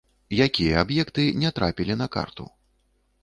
Якія аб'екты не трапілі на карту?